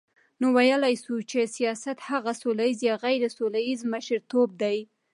نو ویلای سو چی سیاست هغه سوله ییز یا غیري سوله ییز مشرتوب دی،